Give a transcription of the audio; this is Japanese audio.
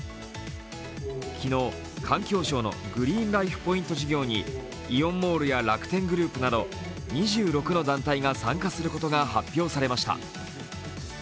昨日、環境省のグリーンライフ・ポイント事業にイオンモールや楽天グループなど２６の団体が参加することが発表されました。